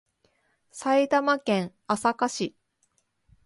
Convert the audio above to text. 埼玉県朝霞市